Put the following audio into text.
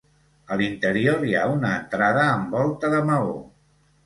A l'interior hi ha una entrada amb volta de maó.